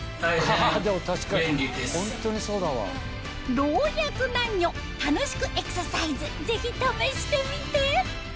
老若男女楽しくエクササイズぜひ試してみて！